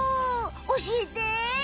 おしえて！